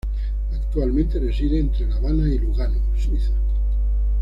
Actualmente reside entre La Habana y Lugano, Suiza